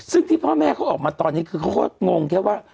ซึ่งที่พ่อแม่เขาออกมาตอนนี้คือเขาก็งงแค่ว่า